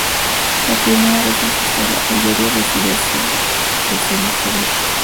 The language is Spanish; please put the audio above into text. Por primera vez en su historia el diario recibiría subvenciones públicas.